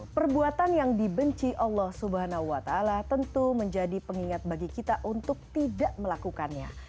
perbuatan yang dibenci allah swt tentu menjadi pengingat bagi kita untuk tidak melakukannya